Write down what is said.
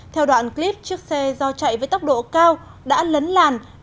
theo đoạn clip chiếc xe do chạy với tốc độ cao đã lấn làn